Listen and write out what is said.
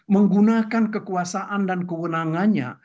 menggunakan kekuasaan dan kewenangannya